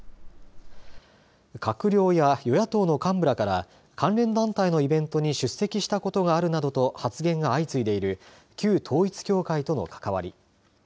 閣僚や与野党の幹部らから関連団体のイベントに出席したことがあるなどと発言が相次いでいる旧統一教会との関わり。